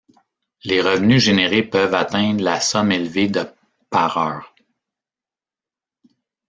Les revenus générés peuvent atteindre la somme élevée de par heure.